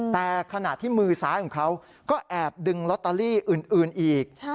แต่ขณะที่มือซ้ายของเขาก็แอบดึงลอตเตอรี่อื่นอีก